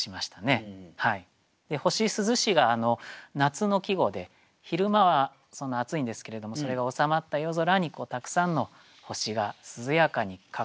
「星涼し」が夏の季語で昼間は暑いんですけれどもそれが収まった夜空にたくさんの星が涼やかに輝いているという季語ですね。